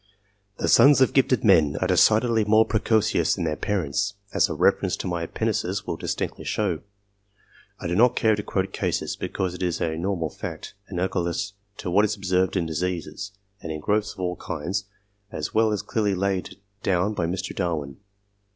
The sons of gifted men are decidedly more precocious than their parents, as a reference to my Appendices will distinctly show ; I do not care to quote cases, because it is a normal fact, analo gous to what is observed in diseases, and in growths of all kinds, as has been clearly laid down by Mr. Darwin.